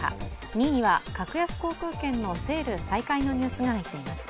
２位には格安航空券のセール再開のニュースが入っています。